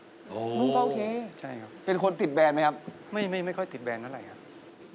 โอเคใช่ครับเป็นคนติดแบรนดไหมครับไม่ค่อยติดแบรนดเท่าไหร่ครับ